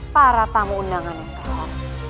para tamu undangan yang telah